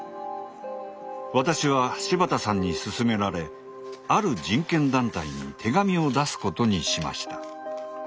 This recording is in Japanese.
私は柴田さんにすすめられある人権団体に手紙を出すことにしました。